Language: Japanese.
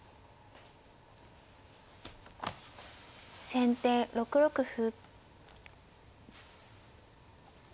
先手６六歩。